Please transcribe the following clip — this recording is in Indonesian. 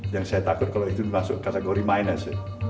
yang saya takut kalau itu masuk kategori minus